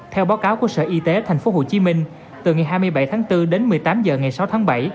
theo báo cáo của sở y tế tp hcm từ ngày hai mươi bảy tháng bốn đến một mươi tám h ngày sáu tháng bảy